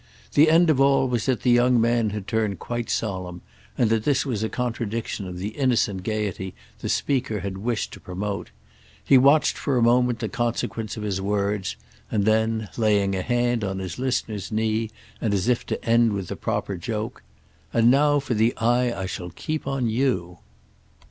The end of all was that the young man had turned quite solemn, and that this was a contradiction of the innocent gaiety the speaker had wished to promote. He watched for a moment the consequence of his words, and then, laying a hand on his listener's knee and as if to end with the proper joke: "And now for the eye I shall keep on you!"